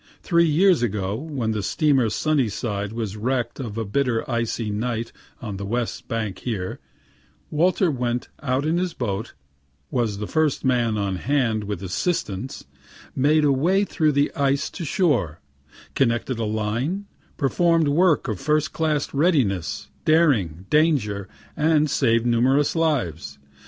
Three years ago, when the steamer "Sunnyside" was wreck'd of a bitter icy night on the west bank here, Walter went out in his boat was the first man on hand with assistance made a way through the ice to shore, connected a line, perform'd work of first class readiness, daring, danger, and saved numerous lives.